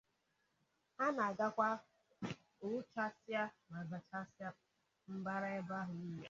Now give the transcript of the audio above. Ha na-agakwa rụchasịa ma zàchasịa mbara ebe ahụ niile